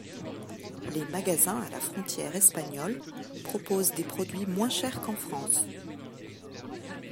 Les magasins à la frontière espagnole proposent des produits moins chers qu'en France.